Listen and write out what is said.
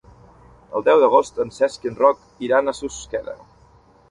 El deu d'agost en Cesc i en Roc iran a Susqueda.